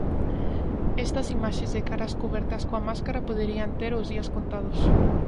Estas imaxes de caras cubertas coa máscara poderían ter os días contados.